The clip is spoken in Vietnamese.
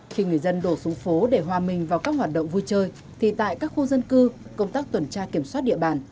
khi người dân đổ xuống phố để hòa mình vào các hoạt động vui chơi thì tại các khu dân cư công tác tuần tra kiểm soát địa bàn